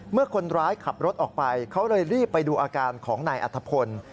เมื่อคนร้ายขับรถออกไปเขาเลยรีบไปดูอาการของนายอัฐพล